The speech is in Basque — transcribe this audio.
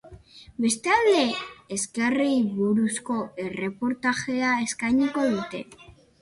Bestalde, eskerrei buruzko erreportajea eskainiko dute.